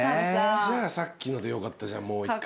じゃあさっきのでよかったじゃんもう１回。